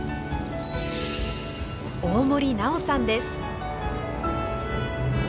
大森南朋さんです。